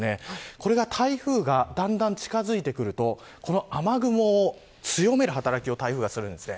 これは台風がだんだん近づいてくると雨雲を強める働きを台風がするんです。